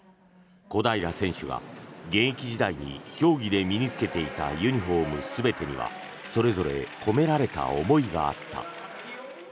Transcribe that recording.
小平選手が現役時代に競技で身に着けていたユニホーム全てにはそれぞれ込められた思いがあった。